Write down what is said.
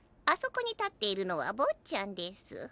あそこに立っているのは坊っちゃんです。